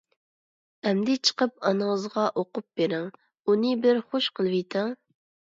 — ئەمدى چىقىپ ئانىڭىزغا ئوقۇپ بېرىڭ. ئۇنى بىر خۇش قىلىۋېتىڭ.